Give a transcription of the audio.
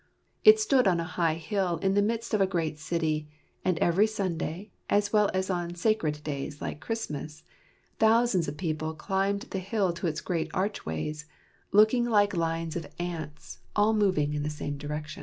It stood on a high hill in the midst of a great city; and every Sunday, as well as on sacred days like Christmas, thousands of people climbed the hill to its great arch ways, looking like lines of ants all moving in the same direction.